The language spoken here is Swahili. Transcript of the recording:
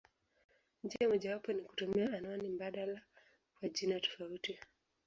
Njia mojawapo ni kutumia anwani mbadala kwa jina tofauti.